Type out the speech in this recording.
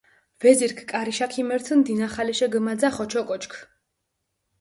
ვეზირქ კარიშა ქიმერთჷნი, დინახალეშე გჷმაძახჷ ოჩოკოჩქ.